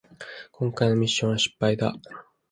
こんかいのミッションは失敗だ